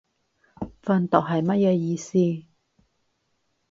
訓讀係乜嘢意思